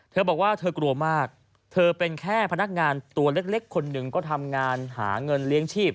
เธอบอกว่าเธอกลัวมากเธอเป็นแค่พนักงานตัวเล็กคนหนึ่งก็ทำงานหาเงินเลี้ยงชีพ